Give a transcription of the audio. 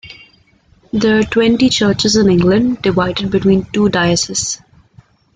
There are twenty churches in England, divided between the two dioceses.